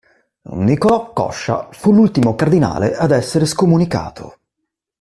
Niccolò Coscia fu l'ultimo cardinale ad essere scomunicato.